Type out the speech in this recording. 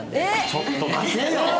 ちょっと待てよ！